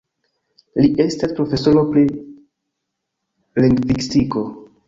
Li estas profesoro pri lingvistiko.